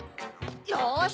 ⁉よし！